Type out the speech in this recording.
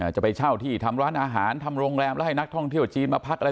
จะไปเช่าที่ทำร้านอาหารทำโรงแรมแล้วให้นักท่องเที่ยวจีนมาพักอะไร